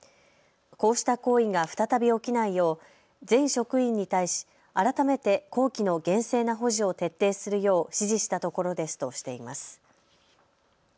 こうした行為が再び起きないよう全職員に対し改めて綱紀の厳正な保持を徹底するよう指示したところですとしています。